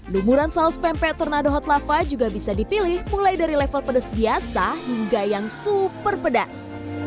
lumuran saus pempek tornado hotlava juga bisa dipilih mulai dari level pedas biasa hingga yang super pedas